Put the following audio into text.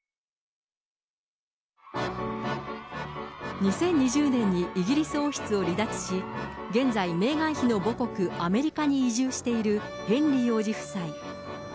２０２０年にイギリス王室を離脱し、現在、メーガン妃の母国、アメリカに移住しているヘンリー王子夫妻。